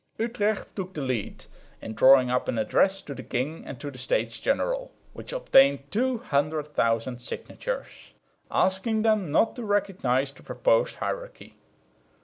Utrecht took the lead in drawing up an address to the king and to the States General (which obtained two hundred thousand signatures), asking them not to recognise the proposed hierarchy.